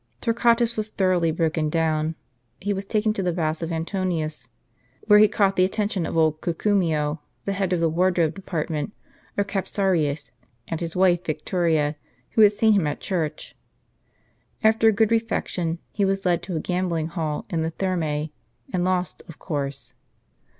Torquatus was thoroughly broken down. He was taken to the baths of Antoninus, where he caught the attention of old Cucumio, the head of the wardrobe department, or cap sarius, and his wife Victoria, who had seen him at church. After a good refection, he was led to a gambling hall in the Thermae, and lost, of course.